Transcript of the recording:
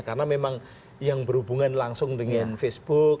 karena memang yang berhubungan langsung dengan facebook